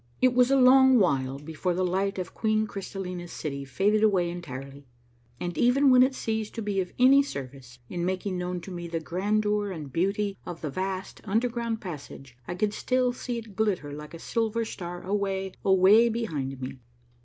It was a long while before the light of Queen Crystallina's city faded away entirely, and even when it ceased to be of any service in making known to me the grandeur and beauty of the vast underground passage, I could still see it glitter like a silver star away, away behind me.